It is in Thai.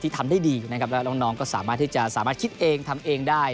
ที่ทำได้ดีและล้องน้องก็สามารถที่จะสามารถคิดเองทำเองได้